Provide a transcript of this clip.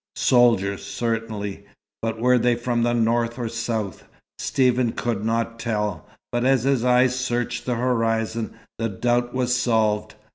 Soldiers, certainly: but were they from the north or south? Stephen could not tell; but as his eyes searched the horizon, the doubt was solved.